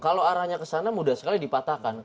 kalau arahnya ke sana mudah sekali dipatahkan